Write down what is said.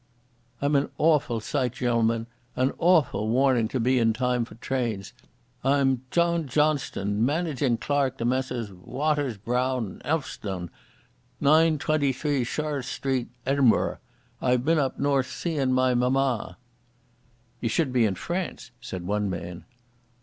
I'm an awful sight, gen'lmen—an awful warning to be in time for trains. I'm John Johnstone, managing clerk to Messrs Watters, Brown & Elph'stone, 923 Charl'tte Street, E'inburgh. I've been up north seein' my mamma." "Ye should be in France," said one man.